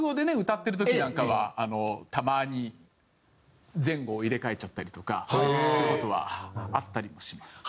歌ってる時なんかはたまに前後を入れ替えちゃったりとかそういう事はあったりもします。